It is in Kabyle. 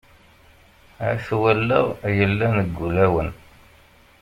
At wallaɣ yellan deg ul-awen.